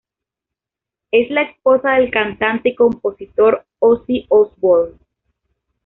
Es la esposa del cantante y compositor Ozzy Osbourne.